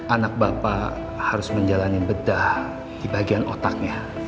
anak bapak harus menjalani bedah di bagian otaknya